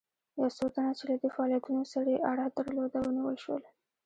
یو څو تنه چې له دې فعالیتونو سره یې اړه درلوده ونیول شول.